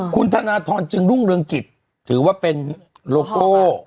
คุณธนาท้อนจึงลุงเริงกิจถือว่าเป็นโลโก้